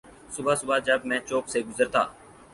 صبح صبح جب میں چوک سے گزرتا